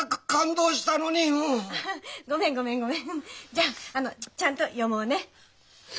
じゃあちゃんと読もうね。